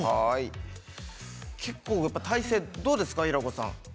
結構体勢どうですか平子さん